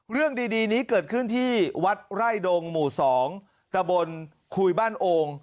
เรื่องดีนี้เกิดขึ้นที่วัดไร่ดงหมู่๒ตะบนคุยบ้านโอ่ง